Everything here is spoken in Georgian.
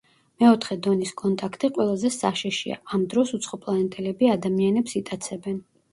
მეოთხე დონის კონტაქტი ყველაზე საშიშია, ამ დროს უცხოპლანეტელები ადამიანებს იტაცებენ.